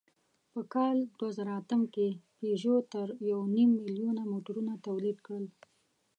په کال دوهزرهاتم کې پيژو تر یونیم میلیونه موټرونه تولید کړل.